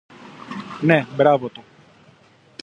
Ναι, μπράβο του!